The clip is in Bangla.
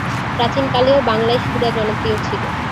প্রাচীনকালেও বাংলায় সুরা জনপ্রিয় ছিল।